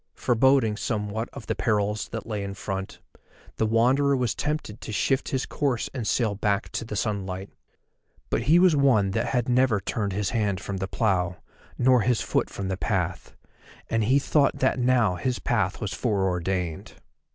Foreboding somewhat of the perils that lay in front, the Wanderer was tempted to shift his course and sail back to the sunlight. But he was one that had never turned his hand from the plough, nor his foot from the path, and he thought that now his path was fore ordained.